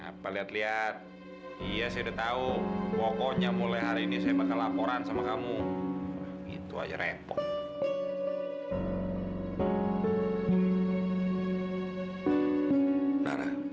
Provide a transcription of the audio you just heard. apa lihat lihat iya saya udah tahu pokoknya mulai hari ini saya makan laporan sama kamu itu aja repot